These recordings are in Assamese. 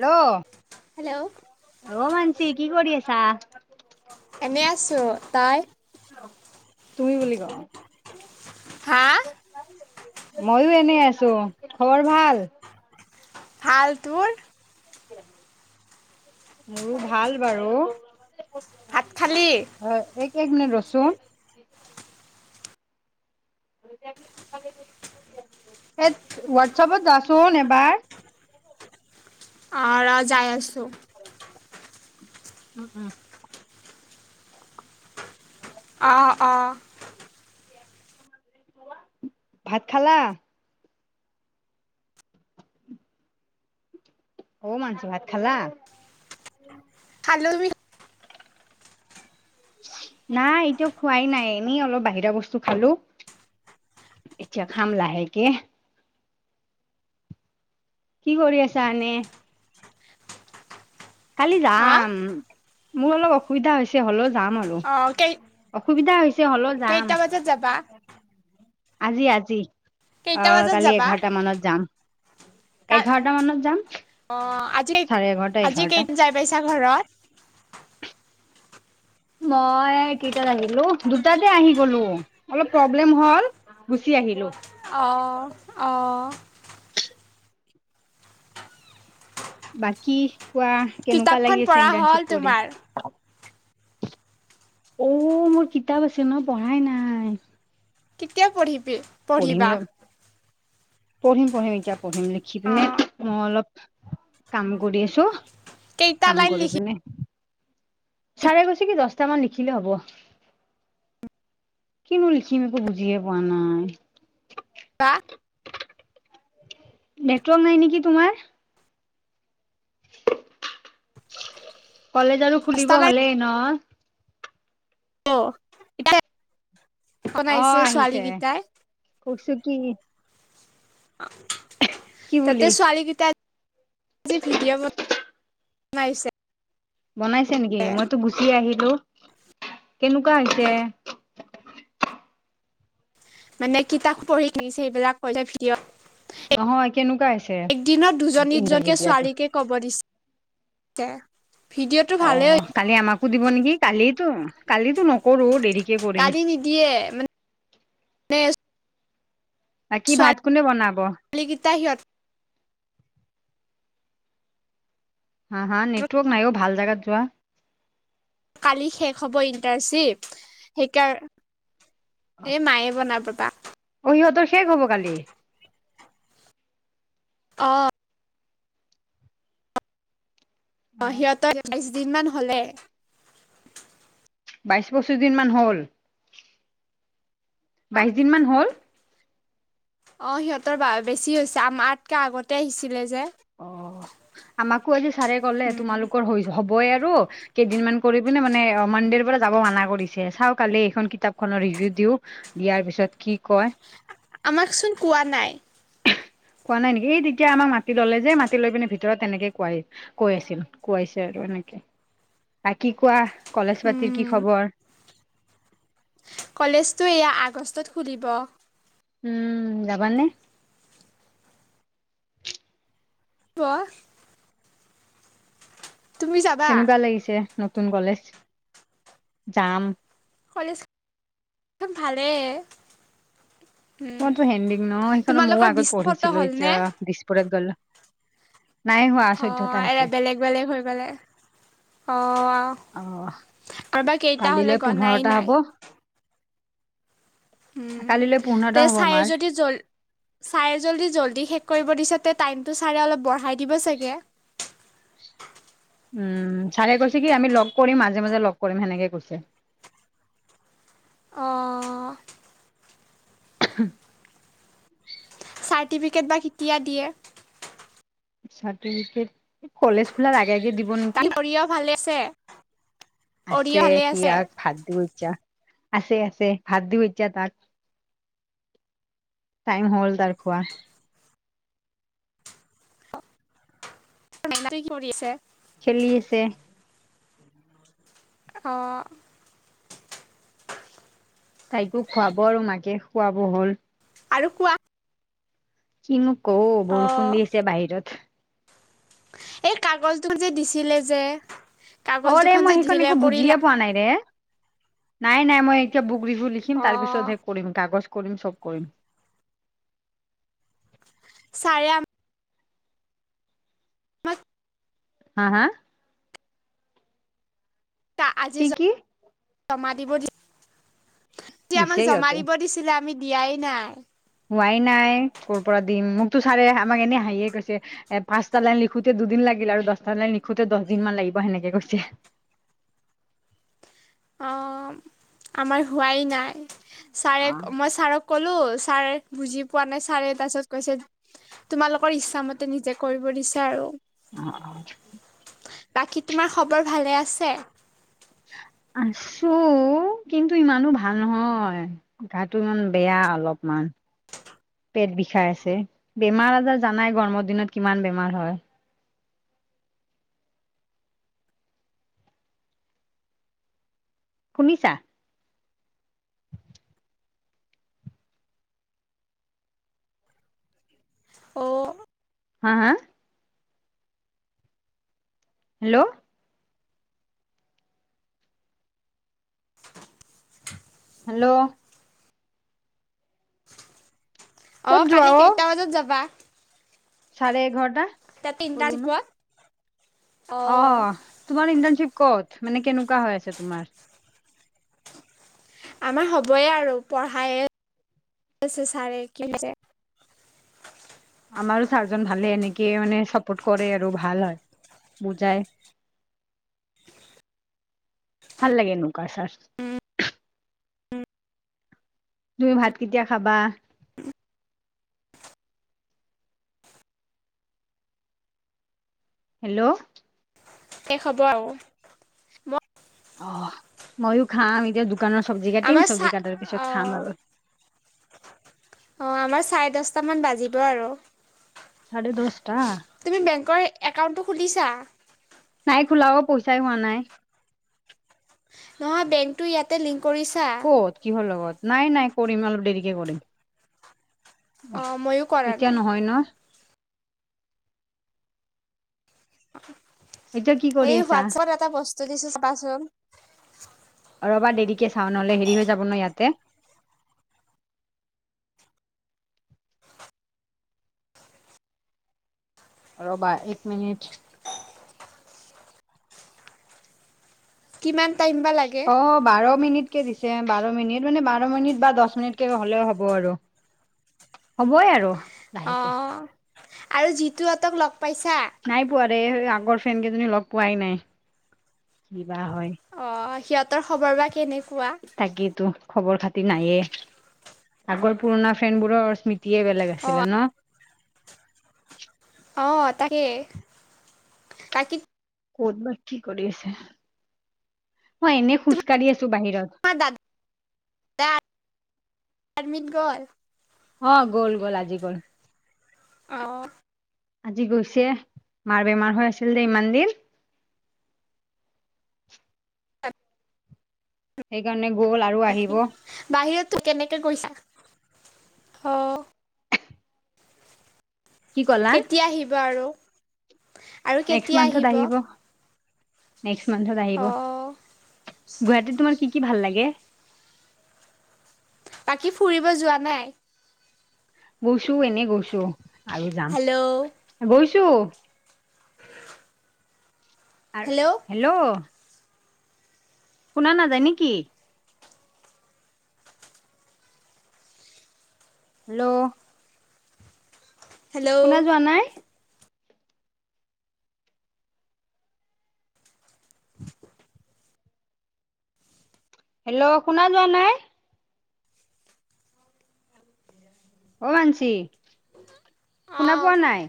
হেল্ল অ মানসি কি কৰি আছা এনেই আছো তই তুমি বুলি ক। হা? ময়ো এনেই আছো। খবৰ ভাল? ঠাল। তোৰ? মোৰো ভাল বাৰু। ভাত খালি? হয় এক এক মিনিট ৰচোন। [unintelligible] সেত হোৱাটছাপত যাচোন এবাৰ। আ ৰ যাই আছো। উম উম। আ অ। [unintelligible] ভাত খালা? অ মাংস ভাত খালা। খালো বি- নাই এতিয়া খোৱাই নাই এনেই অলপ বাহিৰা বস্তু খালোঁ। এতিয়া খাম লাহে কে। কি কৰি আছা এনে? খালি হা যাম, মোৰ অলপ অস- সুবিধা হৈছে হ'লেও যাম আৰু, অ কেই অসুবিধা হৈছে হ'লেও যাম। যে যাবা। আজি আজি অ কেইটা বজাত কালি যাবা এঘাৰটা মানত যাম। কা এঘাৰটা মানত যাম চাৰে এঘৰটা এঘাৰটা। বেইছা ঘৰত। মই কেইটাত আহিলো দুটাতে আহি গলোঁ অলপ প্ৰব্লেম হ'ল। গুচি আহিলো। অ অ। বাকী কোৱা কেনেকুৱা কিতাপখন লাগিছে পঢ়া হ'ল ইণ্টাৰ্নশ্বিপ কৰি। তোমাৰ অ মোৰ কিতাপ আছে ন পঢ়াই নাই। কেতিয়া পঢ়িবি? পঢ়িম পঢ়িবা ৰ পঢ়িম পঢ়িম এতিয়া পঢ়িম লিখি অ পিনে মই অলপ কাম কৰি আছোঁ। কেইটা লাইন লিখি চাৰে কৈছে কি দছটামান লিখিলে হ'ব। কিনো লিখিম একো বুজিয়ে পোৱা নাই। কাহ নেটৱৰ্ক নাই নেকি তোমাৰ? কলেজ আৰু খুলিব দহটা লাইন হ'লেই ন। অ ইতায়েত বনাইছে ছোৱালী কেইটাই। কৰচো কি কি তাতে বুলি ছোৱালী গিতাই যি ভিডিঅ' বন নাইছে। বনাইছে নেকি মইতো গুচি আহিলো, কেনেকুৱা হৈছে? মানে কিতাপ পঢ়ি থিৰিছে সেইবিলাক কৈছে ভিডিঅ'। এক নহয় কেনেকুৱা হৈছে একদিনত দুজনী ইণ্টাৰভিউ দুজনীকে দিয়াতো ছোৱালীকে কব দিছ তে ভিডিঅ'টো অ ভালে কালি আমাকো দিব নেকি কালিটো কালিটো নকৰো দেৰিকে কৰিম। দিয়ে মানে বেষ্ট বাকি ভাত কোনে বনাব? কালি কিটা সিহঁত হা হা নেটৱৰ্ক নাই অ ভাল জাগাত যোৱা কালি শেষ হ'ব ইণ্টাৰ্ণশ্বিপ সেইকাৰ- এ মায়ে বনা [unintelligible] অ সিহঁতৰ শেষ হ'ব কালি। অ অ সিহঁতৰ বাইশ দিন মান হ'লে। বাইশ, পঁচিছ দিনমান হ'ল। হা বাইশ দিন মান হ'ল অ সিহঁতৰ বা বেছি হৈছে আমাতকে আগতে আহিছিলে যে অ আমাকো আজি ছাৰে ক'লে উম, তোমালোকৰ হৈ হবই আৰু কেইদিনমান কৰি পিনে মানে মনডেৰ পৰা যাব মানা কৰিছে চাওঁ কালি এইখন কিতাপখনৰ ৰিভিউ দিওঁ দিয়াৰ পিছত কি কয়। আমাকচোন কোৱা নাই। খোৱা নাই নেকি এই তেতিয়া আমাক মাটি ললে যে মাটি লৈ পিনে ভিতৰত তেনেকে কোৱাই কৈ আছিল কোৱাইছে আৰু এনেকে বাকি কোৱা কলেজ পাতিৰ কি উম, খবৰ কলেজটো এয়া আগষ্টত খুলিব। উম যাবানে? তোৱা তুমি যাবা কেনেকুৱা লাগিছে নতুন কলেজ যাম কলেজ তো ভালে মইতো হেডিং ন সেইখনত ময়ো তোমালোকৰ আগত বিশটা ফটো পঢ়িছিলো হ'লনে এতিয়া দিছপৰে গ'লা নাই হোৱা। অ এৰা বেলেগ বেলেগ হৈ গ'লে অ আও অহ কালিলৈ গনাই পোন্ধৰটা নাই হ'ব উম কালিলৈ তে পোন্ধৰটা হব চাই আমাৰ যদি জল- ছাৰে জল্দি জল্দি শেষ কৰিব দিছে তে টাইমটো ছাৰে অলপ বঢ়াই দিব চাগে। উম ছাৰে কৈছে কি আমি লগ কৰিম মাজে মাজে লগ কৰিম সেনেকে কৈছে। অ [unintelligible] চাৰ্টিফিকেট বা কেতিয়া দিয়ে চাৰ্টিফিকেট কলেজ খোলাৰ আগে আগে দি- ব বাকী নেকি অৰিয় ভালে আছে অৰিয় আছে ভালে আছে সিয়াক ভাত দিওঁ যা আছে আছে ভাত দিওঁ এতিয়া তাক টাইম হ'ল তাৰ খোৱা। [unintelligible] কি কৰি আছে? খেলি আছে। অ তাইকো খুৱাব আৰু মাকে খুৱাব হ'ল। আৰু কোৱা কিনো কওঁ অ বৰষুণ দি আছে বাহিৰত। এই কাগজটোক যে দিছিলে যে কাগজ অৰে দুখন যে মই সেইখন দিছিলে একো বুজিয়ে কৰিলা পোৱা নাই ৰে। নাই নাই মই এতিয়া বুক ৰিভিউ লিখিম অ তাৰপিছতহে কৰিম কাগজ কৰিম, চব কৰিম। ছাৰে আ [unintelligible] হা! হা! আজি কি কি জমা [unintelligible] দিব দিছে [unintelligible] এতিয়া আমাক দিছে জমা সিহঁতে দিব দিছিলে আমি দিয়াই নাই। হোৱাই নাই কৰ পৰা দিম। মোকতো ছাৰে আমাক এনেই হাঁহিয়ে কৈছে। এ পাঁচটা লাইন লিখোঁতে দুদিন লাগিল আৰু দহটা লাইন লিখোঁতে দহ দিন মান লাগিব সেনেকে কৈছে। অহ, আমাৰ হোৱাই নাই। ছাৰে, অ মই ছাৰক ক'লো ছাৰে বুজি পোৱা নাই ছাৰে তাৰপিছত কৈছে তোমালোকৰ ইচ্ছা মতে নিজে কৰিব দিছে আৰু। [unintelligible] বাকী তোমাৰ খবৰ ভালে আছে? আছো, কিন্তু ইমানো ভাল নহয়। গাটো ইমান বেয়া অলপমান। পেট বিষাই আছে, বেমাৰ-আজাৰ জানাই গৰমৰ দিনত কিমান বেমাৰ হয়। শুনিছা? অ হা! হা! হেল্ল'। হেল্ল'। ক'ত অহ', যোৱা কালি অ কেইটা বজাত যাবা? চাৰে এঘাৰটা। এতে এন্টানচিপত অহ', তোমাৰ ইণ্টাৰ্ণশ্বিপ কত, মানে কেনেকুৱা হৈ আছে তোমাৰ? আমাৰ হ'বয়ে আৰু পঢ়ায়ে আছে ছাৰে কি আমাৰো ছাৰজন ভালে এনেকে মানে চাপোৰ্ট কৰে আৰু ভাল হয়, বুজায়। ভাল লাগে এনেকুৱা ছাৰ। [unintelligible] তুমি ভাত কেতিয়া খাবা? হেল্ল'। শেষ হ'ব আৰু। মই অহ। মইয়ো খাম এতিয়া দোকানৰ চব্জি কাটিম, আমাৰ চা চব্জি কাটাৰ পিছত অ খাম আৰু। অহ, আমাৰ চাৰে দহটা মান বাজিব আৰু। চাৰে দহটা। তুমি বেংকৰ একাউণ্টটো খোলিছা? নাই খোলা অহ, পইচাই হোৱা নাই। নহয় বেংকটো ইয়াতে লিংক কৰিছা? ক'ত কিহৰ লগত, নাই নাই কৰিম অলপ দেৰিকে কৰিম। অ' ময়ো কৰা এতিয়া নাই। নহয় ন'। এতিয়া কি কৰি হেৰি আছা হোৱাটচএপত এটা বস্তু দিছোঁ চাবাচোন। ৰ'বা দেৰিকে চাওঁ, নহ'লে হেৰি হৈ যাব ন' ইয়াতে। ৰ'বা এক মিনট। কিমান টাইম বা লাগে। অহ, বাৰ মিনিটকে দিছে। বাৰ মিনিট মানে, বাৰ মিনিট বা দহ মিনিটকে হ'লেও হ'ব আৰু। হ'বই আৰু। লাহেকে অ', আৰু যিতুহঁতক লগ পাইছা? নাই পোৱা দেই, আগৰ ফ্ৰেণ্ড কেইজনী লগ পোৱাই নাই, কিবা হয়। অ', সিহঁতৰ খবৰ বা কেনেকুৱা? তাকেইতো খবৰ খাতি নায়েই, আগৰ পুৰণা ফ্ৰেণ্ড বোৰৰ স্মৃতিয়ে বেলেগ আছিলে অ' ন? অঁ তাকে, বাকী ক'ত বা কি কৰি আছে। মই এনে খোজ কাঢ়ি আছো বাহিৰত। আমাৰ দা [unintelligible] এডমিট গ'ল। অঁ, গ'ল গ'ল আজি গ'ল। অঁহ'। আজি গৈছে, মাৰ বেমাৰ হৈ আছিল যে ইমান দিন। সেইকাৰণে গ'ল আৰু আহিব। বাহিৰত তো কেনেকে গৈছা অ'। কি ক'লা কেতিয়া আহিব আৰু? আৰু নেক্সট কেতিয়া মান্থত আহিব। নেক্স মান্থত আহিব, অ'। গুৱাহাটীত তোমাৰ কি কি ভাল লাগে? বাকী ফুৰিব যোৱা নাই? গৈছো এনেই গৈছো আৰু যাম, হেল্ল' গৈছো। আৰু হেল্ল'। হেল্ল'! শুনা নাযায় নেকি? হেল্ল'! হেল্ল' শুনা যোৱা নাই? [inaudible] হেল্ল'! শুনা যোৱা নাই? অ' মানসি শুনা অ', পোৱা নাই?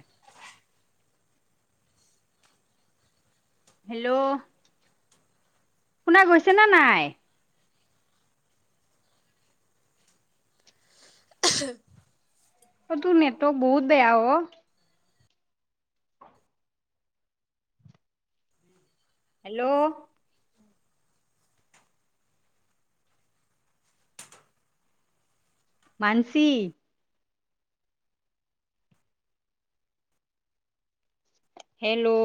হেল্ল'! শুনা গৈছে নে নাই? ঐ তোৰ নেটৱৰ্ক বহুত বেয়া অ' হেল্ল'! মানসী হেল্ল'!